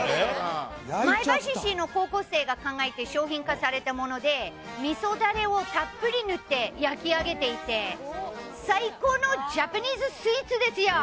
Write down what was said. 前橋市の高校生が考えて、商品化されたもので、みそだれをたっぷり塗って焼き上げていて、最高のジャパニーズスイーツですよ。